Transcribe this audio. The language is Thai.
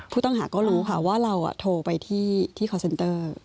ผู้ต้องหาก็รู้ค่ะว่าเราโทรไปที่คอนเซนเตอร์